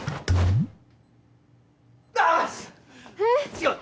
違う！